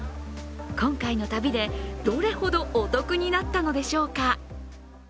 今回の旅でどれほどお得になったのでしょうか？